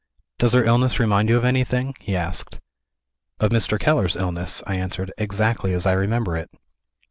"Does her illness remind you of anything?" he asked. "Of Mr. Keller's illness," I answered, "exactly as I remember it."